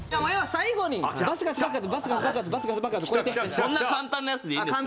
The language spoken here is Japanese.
そんな簡単なやつでいいんですか。